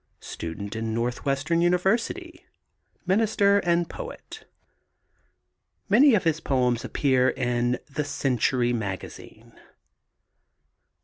Student in Northwestern University, minister and poet. Many of his poems appeared in The Century Magazine.